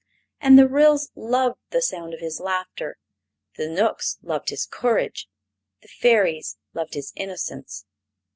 And the Ryls loved the sound of his laughter; the Knooks loved his courage; the Fairies loved his innocence.